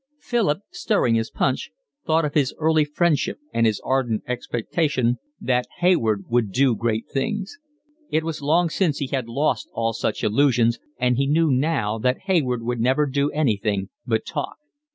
Philip, stirring his punch, thought of his early friendship and his ardent expectation that Hayward would do great things; it was long since he had lost all such illusions, and he knew now that Hayward would never do anything but talk.